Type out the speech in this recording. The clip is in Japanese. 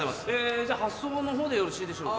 じゃあ発送の方でよろしいでしょうか？